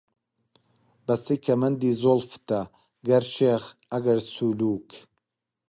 بەستەی کەمەندی زوڵفتە، گەر شێخ، ئەگەر سولووک